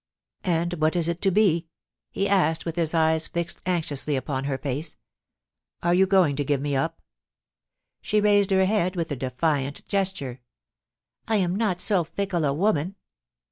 * *And what is it to be?* he asked, with his eyes fixed anxiously upon her face. * Are you going to give me up ?* She raised her head with a defiant gesture :* I am not so fickle a woman.